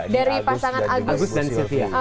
dari pasangan agus dan silvi